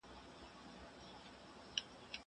زه اوس انځورونه رسم کوم!